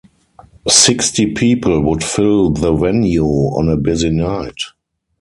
Sixty people would fill the venue on a busy night.